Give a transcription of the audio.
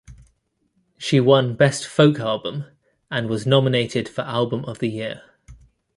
She won Best Folk Album and was nominated for Album of the Year.